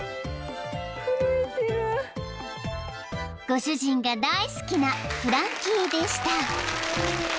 ［ご主人が大好きなフランキーでした］